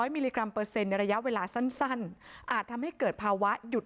มิลลิกรัมเปอร์เซ็นต์ในระยะเวลาสั้นอาจทำให้เกิดภาวะหยุด